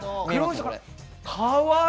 かわいい！